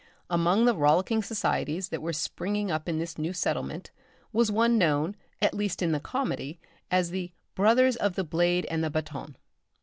Among the rollicking societies that were springing up in this new settlement, was one known, at least in the comedy, as the "Brothers of the Blade and the Batoon."